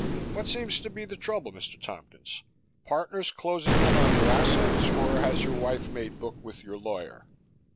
What seems to be the trouble, Mr. Tompkins? Partners closing in on your assets or has your wife made book with your lawyer?"